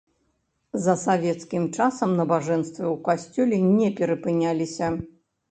За савецкім часам набажэнствы ў касцёле не перапыняліся.